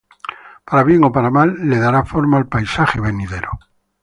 Para bien o para mal, le dará forma al paisaje venidero.